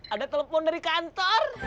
ada telepon dari kantor